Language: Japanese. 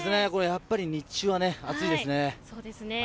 やっぱり日中は暑いですね。